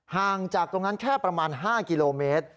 ห่างจากตรงนั้นแค่ประมาณ๕กิโลเมตร